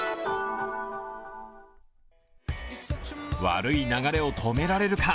悪い流れを止められるか。